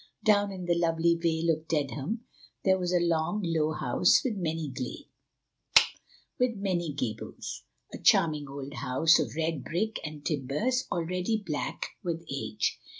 Down in the lovely vale of Dedham there was a long, low house with many gables—a charming old house of red brick and timbers already black with age.